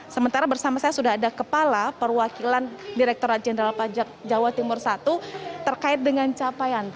sementara bersama saya sudah ada kepala perwakilan direkturat jenderal pajak jawa timur i terkait dengan capaian